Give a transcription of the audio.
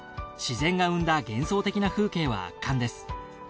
自然が生んだ幻想的な風景は圧巻です。